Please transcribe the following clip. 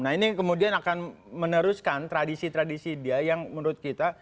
nah ini kemudian akan meneruskan tradisi tradisi dia yang menurut kita